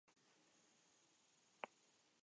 Alabaina, berdin dute horrelako jokabideek.